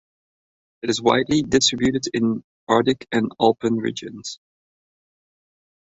It is widely distributed in arctic and alpine regions.